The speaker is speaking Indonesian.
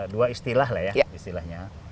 dua istilah lah ya istilahnya